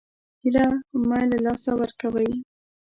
هیله مه له لاسه ورکوئ